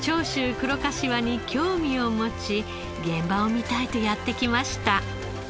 黒かしわに興味を持ち現場を見たいとやって来ました。